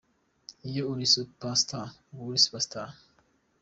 Iyo uri Super Star uba uri super Star….